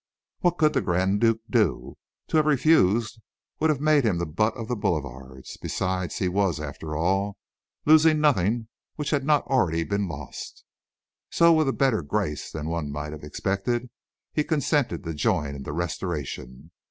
What could the Grand Duke do? To have refused, would have made him the butt of the boulevards. Besides, he was, after all, losing nothing which he had not already lost. So, with a better grace than one might have expected, he consented to join in the restoration.